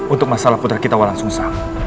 untuk masalah putra kita malah susah